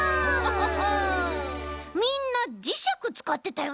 みんなじしゃくつかってたよね。